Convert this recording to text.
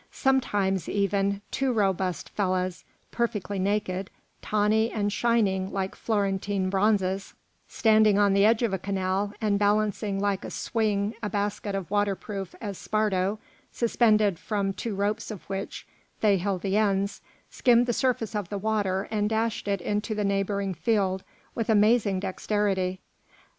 Sometimes, even, two robust fellahs, perfectly naked, tawny and shining like Florentine bronzes, standing on the edge of a canal and balancing like a swing a basket of waterproof esparto suspended from two ropes of which they held the ends, skimmed the surface of the water and dashed it into the neighbouring field with amazing dexterity.